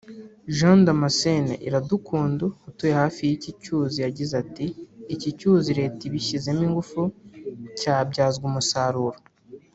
Jean Damascene Iradukunda utuye hafi y’iki cyuzi yagize ati “Iki cyuzi Leta ibishyizemo ingufu cyabyazwa umusaruro